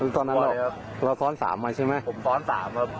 ตอนนั้นเราก็เปล่าซ้อนสามมาใช่ไหมผมซ้อนสามครับ